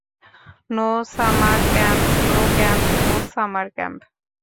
No summer camp no camp no summer camp.